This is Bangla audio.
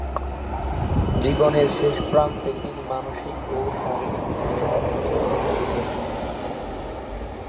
জীবনের শেষ প্রান্তে তিনি মানসিক ও শারীরিকভাবে অসুস্থ ছিলেন।